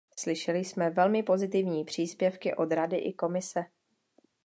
Slyšeli jsme velmi pozitivní příspěvky od Rady i Komise.